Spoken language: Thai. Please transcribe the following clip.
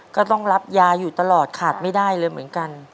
ก็ต้องรับยาอยู่ตลอดขาดไม่ได้เลยเหมือนกัน